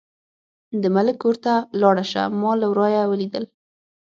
د ملک کور ته لاړه شه، ما له ورايه ولیدل.